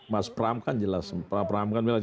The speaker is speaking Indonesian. mas pram kan jelas pram kan bilang